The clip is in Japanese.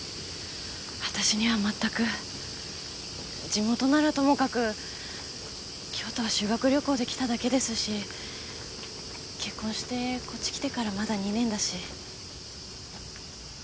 地元ならともかく京都は修学旅行で来ただけですし結婚してこっち来てからまだ２年だし。